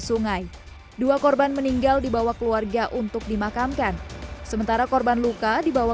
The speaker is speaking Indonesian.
sungai dua korban meninggal dibawa keluarga untuk dimakamkan sementara korban luka dibawa